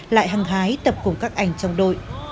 lại hăng hái tập cùng các anh trong đội